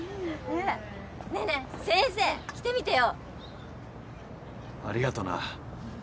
ねえねえ先生着てみてよ。ありがとな。